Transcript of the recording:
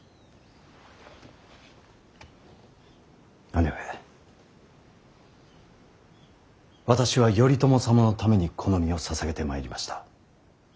姉上私は頼朝様のためにこの身を捧げてまいりました。